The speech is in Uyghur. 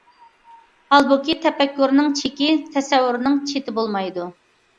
ھالبۇكى تەپەككۇرنىڭ چېكى، تەسەۋۋۇرنىڭ چېتى بولمايدۇ.